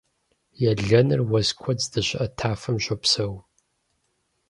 Елэныр уэс куэд здэщыӀэ тафэм щопсэу.